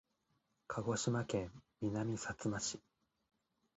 鹿児島県南さつま市